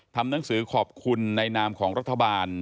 ทำหนังสือขอบคุณในนามของรัฐบาล